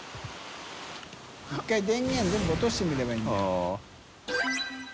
渦電源全部落としてみればいいんだよ。